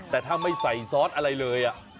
แต่ถ้าไม่ใส่ซอสอะไรเลย